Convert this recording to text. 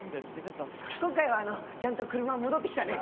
今回はちゃんと車戻ってきたね。